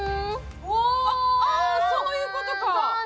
お、そういうことか。